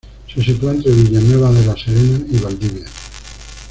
Se sitúa entre Villanueva de la Serena y Valdivia.